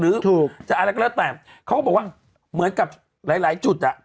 หรืออะไรก็แล้วแต่ก็ว่าเหมือนกับหลายจุด